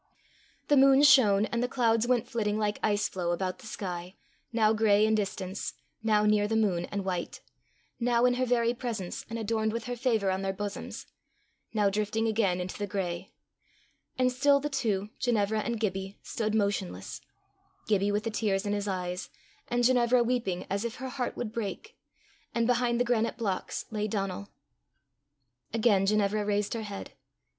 The moon shone, and the clouds went flitting like ice floe about the sky, now gray in distance, now near the moon and white, now in her very presence and adorned with her favour on their bosoms, now drifting again into the gray; and still the two, Ginevra and Gibbie, stood motionless Gibbie with the tears in his eyes, and Ginevra weeping as if her heart would break; and behind the granite blocks lay Donal. Again Ginevra raised her head.